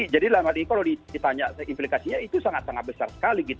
jadi kalau ditanya implikasinya itu sangat sangat besar sekali